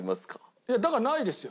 いやだからないですよ。